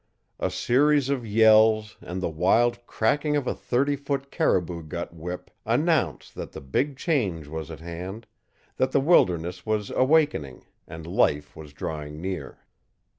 A series of yells, and the wild cracking of a thirty foot caribou gut whip, announced that the big change was at hand that the wilderness was awakening, and life was drawing near.